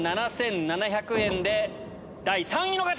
１万７７００円で第３位の方！